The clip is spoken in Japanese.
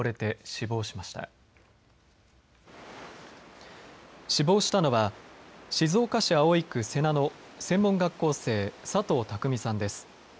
死亡したのは静岡市葵区瀬名の専門学校生、佐藤匠さんです。